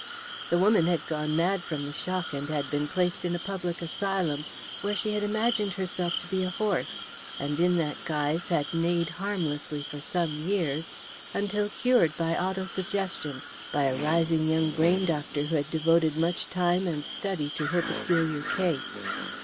The woman had gone mad from the shock and had been placed in a public asylum, where she had imagined herself to be a horse, and in that guise had neighed harmlessly, for some years, until cured by auto suggestion by a rising young brain doctor who had devoted much time and study to her peculiar case.